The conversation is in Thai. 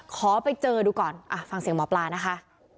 ขอไปเจอดูก่อนฟังเสียงหมอปลานะคะ